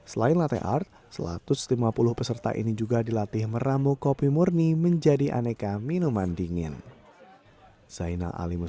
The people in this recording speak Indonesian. selain latte art satu ratus lima puluh peserta ini juga dilatih meramu kopi murni menjadi aneka minuman dingin